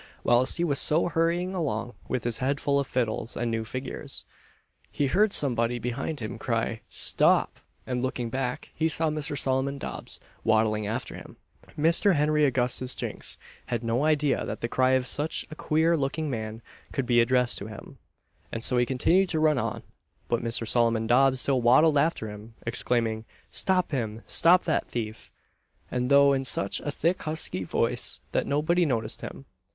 Whilst he was so hurrying along, with his head full of fiddles and new figures, he heard somebody behind him cry "Stop!" and looking back, he saw Mr. Solomon Dobbs waddling after him. Mr. Henry Augustus Jinks had no idea that the cry of such a queer looking man could be addressed to him, and so he continued to run on; but Mr. Solomon Dobbs still waddled after him, exclaiming "Stop him! stop that thief!" &c. though in such a thick husky voice that nobody noticed him.